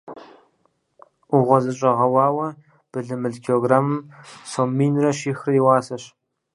Ӏугъуэ зыщӏэгъэуауэ былымыл килограммым сом минрэ щихрэ и уасэщ.